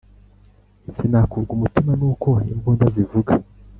Sinakurwa umutima n'uko imbunda zivuga